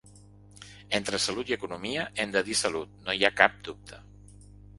Entre salut i economia hem de dir salut, no hi ha cap dubte.